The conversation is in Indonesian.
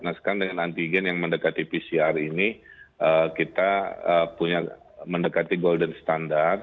nah sekarang dengan antigen yang mendekati pcr ini kita punya mendekati golden standard